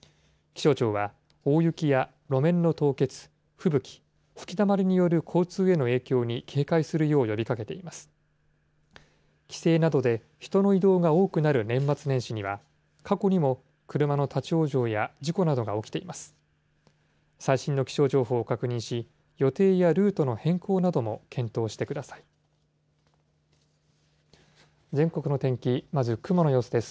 帰省などで人の移動が多くなる年末年始には、過去にも車の立往生や事故などが起きています。